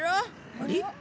あれ？